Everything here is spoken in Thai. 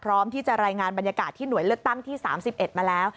พร้อมที่จะรายงานบรรยากาศที่หน่วยเลือกตั้งที่๓๑มาแล้ว